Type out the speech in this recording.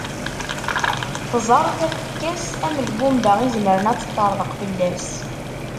Tẓer tafekka-s am lbumba izemren ad teṭṭerḍeq fell-as.